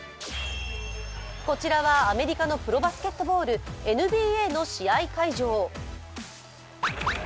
こちらはアメリカのプロバスケットボールＮＢＡの試合会場。